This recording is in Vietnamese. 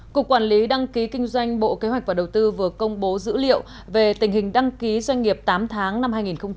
cục quản lý đăng ký kinh doanh bộ kế hoạch và đầu tư vừa công bố dữ liệu về tình hình đăng ký doanh nghiệp tám tháng năm hai nghìn một mươi chín